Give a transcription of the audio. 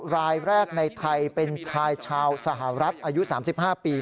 รายแรกในไทยเป็นชายชาวสหรัฐอายุ๓๕ปี